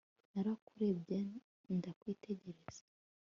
narakurebye ndakwitegereza